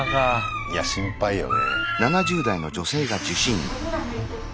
いや心配よね。